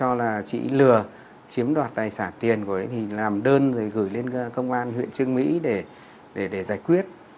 ngọc anh thấy chị lừa chiếm đoạt tài sản tiền của ấy làm đơn gửi lên công an huyện trương mỹ để giải quyết